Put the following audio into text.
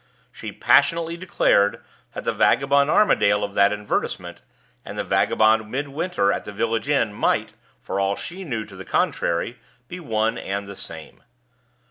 She passionately declared that the vagabond Armadale of that advertisement, and the vagabond Midwinter at the village inn, might, for all she know to the contrary, be one and the same.